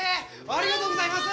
ありがとうございます！